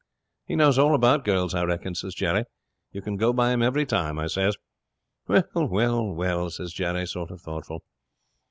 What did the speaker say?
"He knows all about girls, I reckon," says Jerry. "You can go by him every time," I says. "Well, well," says Jerry, sort of thoughtful.'